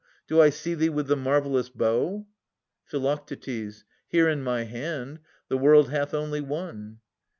Do I see thee with the marvellous bow? Phi. Here in my hand. The world hath only one.